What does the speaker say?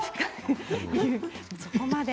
そこまで。